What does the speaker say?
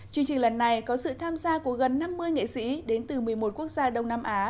chương trình lần này có sự tham gia của gần năm mươi nghệ sĩ đến từ một mươi một quốc gia đông nam á